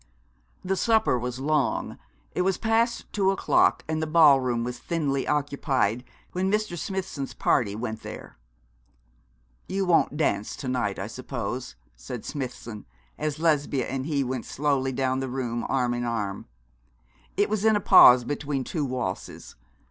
The supper was long. It was past two o'clock, and the ballroom was thinly occupied, when Mr. Smithson's party went there. 'You won't dance to night, I suppose?' said Smithson, as Lesbia and he went slowly down the room arm in arm. It was in a pause between two waltzes.